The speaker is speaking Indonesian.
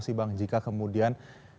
sih bang jika kemudian